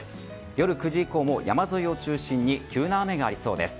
夜９時以降も山沿いを中心に急な雨がありそうです。